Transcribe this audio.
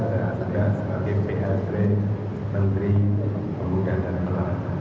dan juga sebagai pnp menteri pengunduran dan penanakan